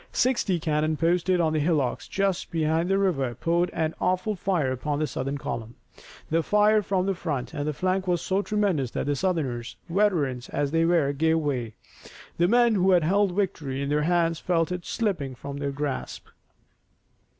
Sixty cannon posted on the hillocks just behind the river poured an awful fire upon the Southern column. The fire from front and flank was so tremendous that the Southerners, veterans as they were, gave way. The men who had held victory in their hands felt it slipping from their grasp.